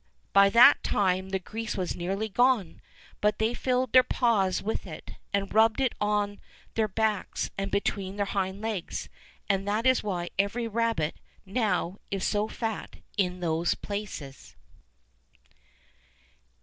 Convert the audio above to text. By that time the grease was nearly gone, but they filled their paws with it, and rubbed it on their backs and between their hind legs, and that is why every rabbit now is so fat in those places.